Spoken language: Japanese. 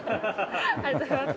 ありがとうございます。